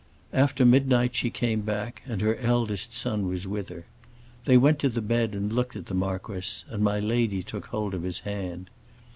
After midnight she came back, and her eldest son was with her. They went to the bed and looked at the marquis, and my lady took hold of his hand.